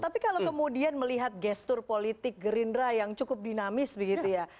tapi kalau kemudian melihat gestur politik gerindra yang cukup dinamis begitu ya